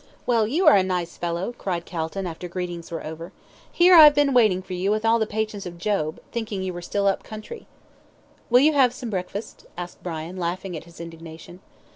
"Well, you are a nice fellow," cried Calton, after greetings were over. "Here I've been waiting for you with all the patience of Job, thinking you were still up country." "Will you have some breakfast?" asked Brian, laughing at his indignation.